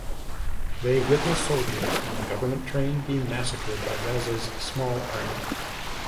They witness soldiers on a government train being massacred by Raza's small army.